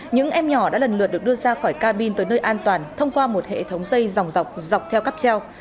những em nhỏ đã lần lượt được đưa ra khỏi cabin tới nơi an toàn thông qua một hệ thống dây dòng dọc dọc theo cắp treo